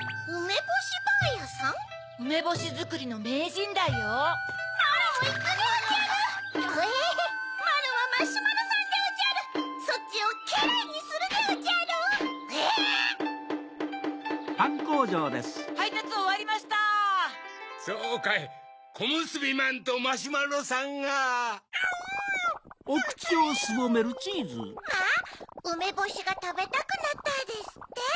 「うめぼしがたべたくなった」ですって。